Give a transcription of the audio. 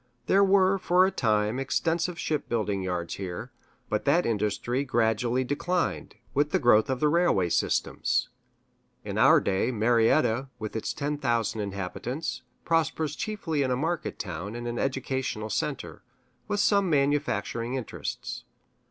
There were, for a time, extensive ship building yards here; but that industry gradually declined, with the growth of railway systems. In our day, Marietta, with its ten thousand inhabitants, prospers chiefly as a market town and an educational center, with some manufacturing interests.